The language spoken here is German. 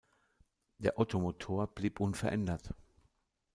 Der Ottomotor blieb unverändert.